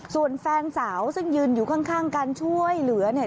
ส่วนแฟนสาวซึ่งยืนอยู่ข้างการช่วยเหลือเนี่ย